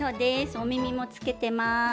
おみみもつけてます！